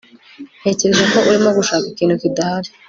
Ntekereza ko urimo gushaka ikintu kidahari